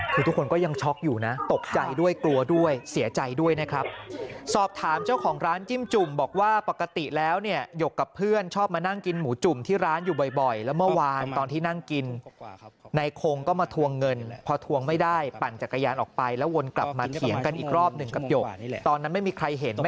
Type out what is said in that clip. คือทุกคนก็ยังช็อกอยู่นะตกใจด้วยกลัวด้วยเสียใจด้วยนะครับสอบถามเจ้าของร้านจิ้มจุ่มบอกว่าปกติแล้วเนี่ยหยกกับเพื่อนชอบมานั่งกินหมูจุ่มที่ร้านอยู่บ่อยแล้วเมื่อวานตอนที่นั่งกินในคงก็มาทวงเงินพอทวงไม่ได้ปั่นจักรยานออกไปแล้ววนกลับมาเถียงกันอีกรอบหนึ่งกับหยกตอนนั้นไม่มีใครเห็น